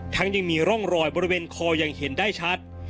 ยังมีร่องรอยบริเวณคอยังเห็นได้ชัด